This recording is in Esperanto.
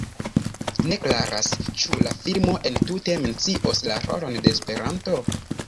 Ne klaras, ĉu la filmo entute mencios la rolon de Esperanto.